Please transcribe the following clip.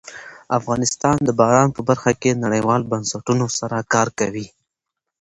افغانستان د باران په برخه کې نړیوالو بنسټونو سره کار کوي.